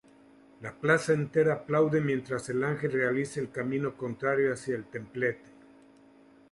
La plaza entera aplaude mientras el Ángel realiza el camino contrario hacia el templete.